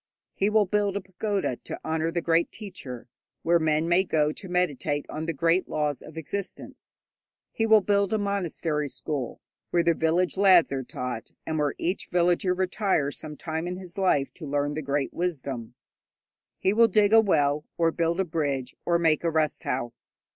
He will build a pagoda to the honour of the great teacher, where men may go to meditate on the great laws of existence. He will build a monastery school where the village lads are taught, and where each villager retires some time in his life to learn the great wisdom. He will dig a well or build a bridge, or make a rest house.